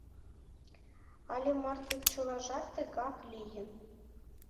Але марте чылажат тыгак лийын.